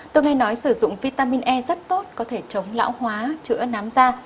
tôi nghe nói sử dụng vitamin e rất tốt có thể chống lão hóa chữa nám da